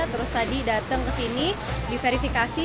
terus tadi datang ke sini diverifikasi